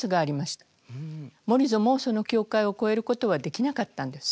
モリゾもその境界を越えることはできなかったんです。